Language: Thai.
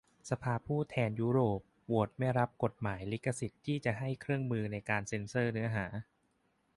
สภาผู้แทนราษฏรยุโรป โหวตไม่รับกฎหมายลิขสิทธิ์ที่จะให้เครื่องมือในการเซ็นเซอร์เนื้อหา